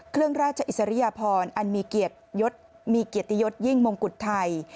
เครื่องราชอิสริยพรอันมีเกียรติยศยิ่งมงกุฎไทย